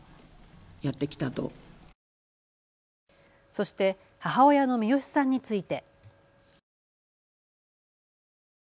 そして母親のミヨシさんについて。